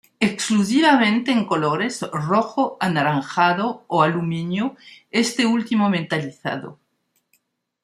Exclusivamente en colores rojo anaranjado o aluminio, este último metalizado.